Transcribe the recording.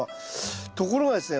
ところがですね